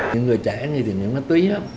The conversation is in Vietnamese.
những người trẻ thì những ma túy á